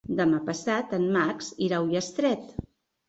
Demà passat en Max irà a Ullastret.